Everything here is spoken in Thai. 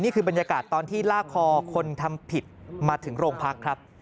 คือบรรยากาศตอนที่ลากคอคนทำผิดมาถึงโรงพักครับ